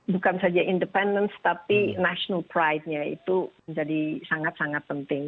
bukan saja independence tapi national pride nya itu menjadi sangat sangat penting